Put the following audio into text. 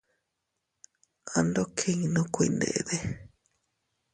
Ando kinnun kuindedi.